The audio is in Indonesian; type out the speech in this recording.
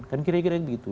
kan kira kira begitu